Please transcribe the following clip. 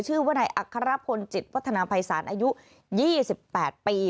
ชื่อว่านายอัครพลจิตวัฒนาภัยศาลอายุ๒๘ปี